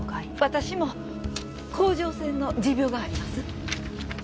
私も甲状腺の持病があります。